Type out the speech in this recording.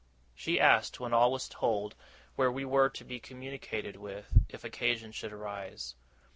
She asked, when all was told, where we were to be communicated with, if occasion should arise.